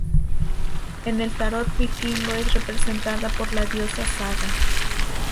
En el Tarot Vikingo es representada por la diosa Saga.